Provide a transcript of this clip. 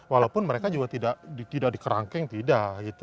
walaupun mereka juga tidak di kerangkeng tidak gitu